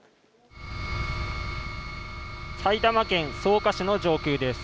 埼玉県草加市の上空です。